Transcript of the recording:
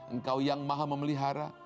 engkau yang maha memelihara